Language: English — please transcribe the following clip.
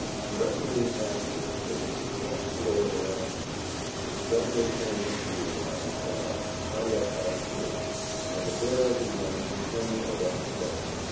Directly after there was the soft glow of a lanthorn, which suddenly came into view round a corner, high up by the ceiling, and the bearer began to descend a rough slope.